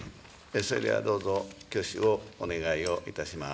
それではどうぞ、挙手をお願いをいたします。